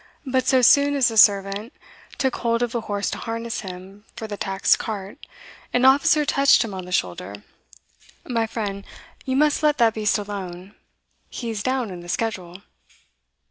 But so soon as the servant took hold of a horse to harness him for the taxed cart, an officer touched him on the shoulder "My friend, you must let that beast alone he's down in the schedule."